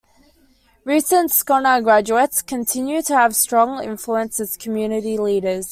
Recent Scona graduates continue to have strong influence as community leaders.